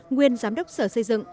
nguyên giám đốc sở xây dựng